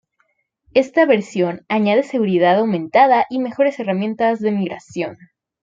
Esta versión añade seguridad aumentada y mejores herramientas de migración.